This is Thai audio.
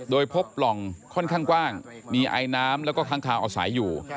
โดยพบปล่องค่อนข้างกว้างมีอายน้ำแล้วก็ทางทางออกสายอยู่